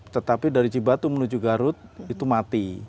tetapi dari cibatu menuju garut itu mati